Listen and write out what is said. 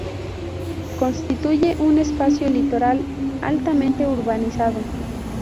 Constituye un espacio litoral altamente urbanizado.